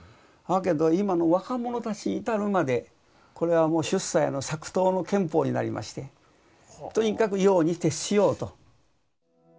だけど今の若者たちに至るまでこれはもう出西の作陶の憲法になりましてとにかく用に徹しようと。